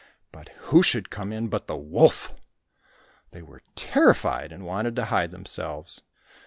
But who should come in but the wolf! They were terrified and wanted to hide themselves.